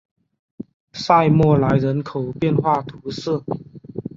塞默莱人口变化图示